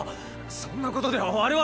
そんなことでは我々の罪は。